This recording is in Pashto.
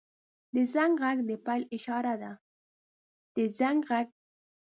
• د زنګ غږ د پیل اشاره ده.